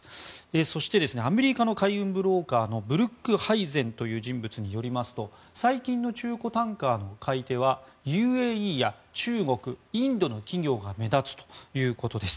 そして、アメリカの海運ブローカーのブルックハイゼンという人物によりますと最近の中古タンカーの買い手はＵＡＥや中国、インドの企業が目立つということです。